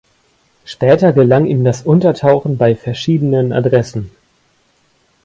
Später gelang ihm das Untertauchen bei verschiedenen Adressen.